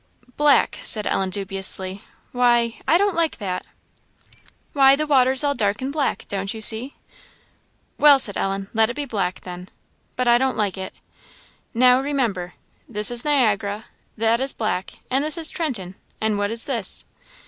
"Black," said Ellen, dubiously, "why! I don't like that." "Why, the water's all dark and black, don't you see?" "Well," said Ellen; "let it be Black, then; but I don't like it. Now, remember, this is Niagara, that is Black, and this is Trenton; and what is this?"